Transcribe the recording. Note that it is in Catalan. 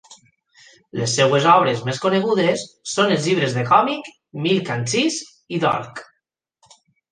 Les seves obres més conegudes són els llibres de còmic "Milk and Cheese" i "Dork".